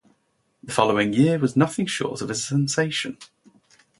The following year was nothing short of a sensation.